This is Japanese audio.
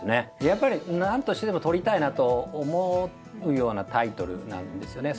やっぱり何としてでも取りたいなと思うようなタイトルなんですよね。